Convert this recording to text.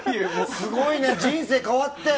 すごいね、人生変わって。